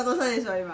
今。